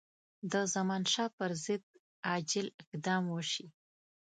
د زمانشاه پر ضد عاجل اقدام وشي.